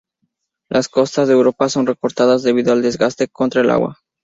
Las costas de Europa son recortadas, debido al desgaste contra el agua.